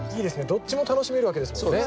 どっちも楽しめるわけですもんね。